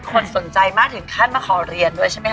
มีคนสนใจมาถึงขั้นมาขอเรียนด้วยใช่มั้ยคะ